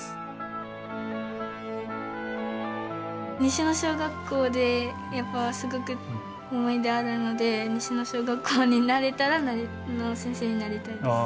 西野小学校でやっぱすごく思い出あるので西野小学校になれたらの先生になりたいです。